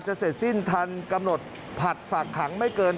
เสร็จสิ้นทันกำหนดผัดฝากขังไม่เกิน